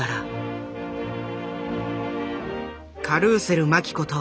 カルーセル麻紀こと